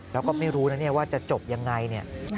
แล้วก็ไม่รู้ว่าจะจบยังไง